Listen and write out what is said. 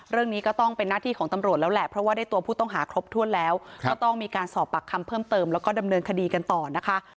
เรื่องนี้ก็ต้องเป็นหน้าที่ของตำรวจแล้วแหละเพราะว่าได้ตัวผู้ต้องหาครบถ้วนแล้วก็ต้องมีการสอบปากคำเพิ่มเติมแล้วก็ดำเนินคดีกันต่อนะคะ